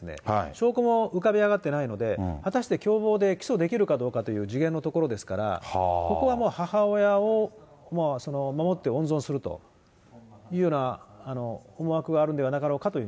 証拠も浮かび上がってないので、果たして共謀で起訴できるかどうかという次元のところですから、ここはもう、母親を守って、温存するというような思惑があるんではなかろうかという。